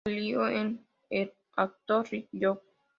Salió con el actor Rik Young.